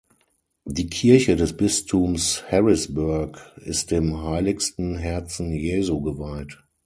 Die Kirche des Bistums Harrisburg ist dem Heiligsten Herzen Jesu geweiht.